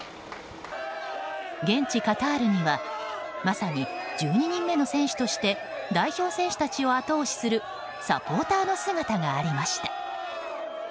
現地カタールにはまさに１２人目の選手として代表選手たちを後押しするサポーターの姿がありました。